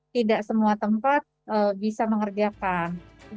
tidak semua tempat bisa mengerjakan